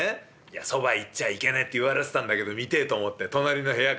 そばへ行っちゃいけねえって言われてたんだけど見てえと思って隣の部屋から。